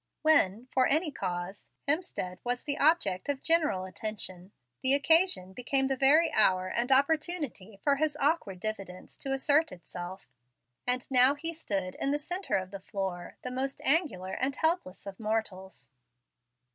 When, for any cause, Hemstead was the object of general attention, the occasion became the very hour and opportunity for his awkward diffidence to assert itself, and now he stood in the centre of the floor, the most angular and helpless of mortals.